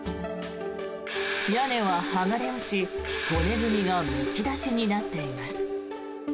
屋根は剥がれ落ち骨組みがむき出しになっています。